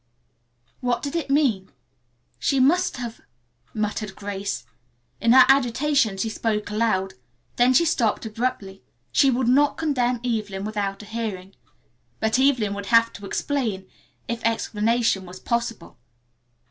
What did it mean? "She must have " muttered Grace. In her agitation she spoke aloud. Then she stopped abruptly. She would not condemn Evelyn without a hearing, but Evelyn would have to explain, if explanation were possible.